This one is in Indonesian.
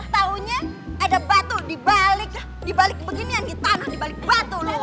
tahunya ada batu dibalik dibalik beginian tanah dibalik batu lu